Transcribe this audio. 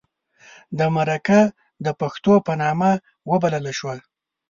د مرکه د پښتو په نامه وبلله شوه.